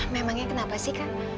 memangnya kenapa sih kak